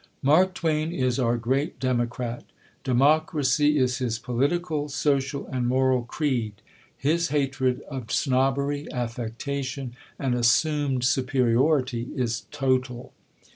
Mark Twain is our great Democrat. Democracy is his political, social, and moral creed. His hatred of snobbery, affectation, and assumed superiority is total.